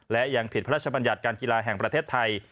และยังผิดพระราชบัญญัติการกีฬาแห่งประเทศไทย